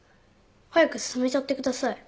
早く進めちゃってください。